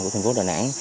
của thành phố đà nẵng